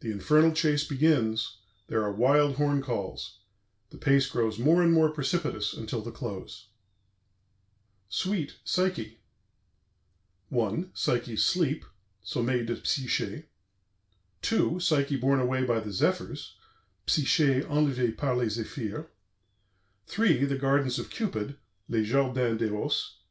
The Infernal Chase begins, there are wild horn calls; the pace grows more and more precipitous until the close. SUITE, "PSYCHE" 1. PSYCHE'S SLEEP (Sommeil de Psyché) 2. PSYCHE BORNE AWAY BY THE ZEPHYRS (Psyché enlevée par les Zéphirs) 3. THE GARDENS OF CUPID (Les Jardins d'Eros) 4.